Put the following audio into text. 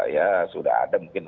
ya sudah ada mungkin